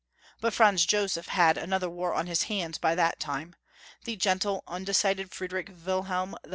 But Franz Joseph had another war on his hands by that time. The gentle undecided Friedrich Wilhelm III.